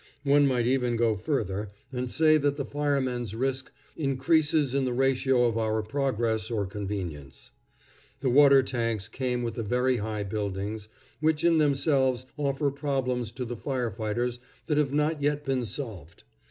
One might even go further, and say that the fireman's risk increases in the ratio of our progress or convenience. The water tanks came with the very high buildings, which in themselves offer problems to the fire fighters that have not yet been solved.